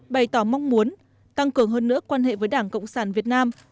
bày tỏ mong muốn tăng cường hơn nữa quan hệ với đảng cộng sản việt nam